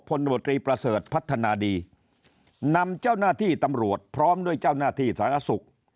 นวตรีประเสริฐพัฒนาดีนำเจ้าหน้าที่ตำรวจพร้อมด้วยเจ้าหน้าที่สาธารณสุข